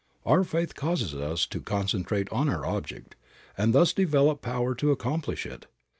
Our faith causes us to concentrate on our object, and thus develops power to accomplish it.